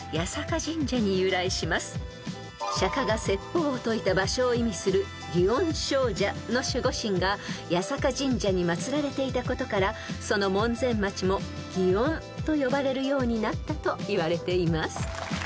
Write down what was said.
［釈迦が説法を説いた場所を意味する祇園精舎の守護神が八坂神社に祭られていたことからその門前町も祇園と呼ばれるようになったといわれています］